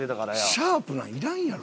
シャープなのいらんやろ。